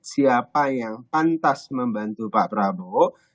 siapa yang pantas membantu pak prabowo